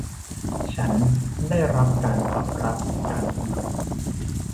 ฉันได้รับการตอบรับการสมัคร